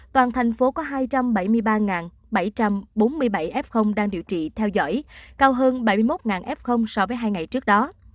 toàn thành phố có hai trăm bảy mươi ba bảy trăm bốn mươi bảy f đang điều trị theo dõi cao hơn bảy mươi một f so với hai ngày trước đó